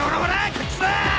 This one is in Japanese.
こっちだ！